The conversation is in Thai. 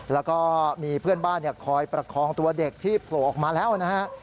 แล้วก็มีเพื่อนบ้านคอยประคองตัวเด็กที่โผล่ออกมาแล้วนะฮะ